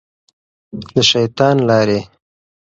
د شیطان لارې.